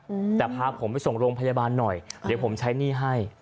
อืมแต่พาผมไปส่งโรงพยาบาลหน่อยเดี๋ยวผมใช้หนี้ให้